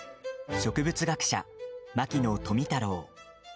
植物学者、牧野富太郎。